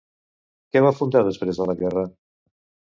Què va fundar després de la guerra?